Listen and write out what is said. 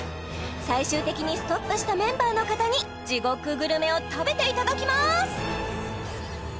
最終的にストップしたメンバーの方に地獄グルメを食べていただきます